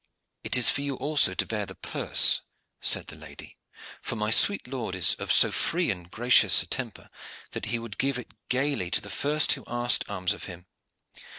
"It is for you also to bear the purse," said the lady; "for my sweet lord is of so free and gracious a temper that he would give it gayly to the first who asked alms of him.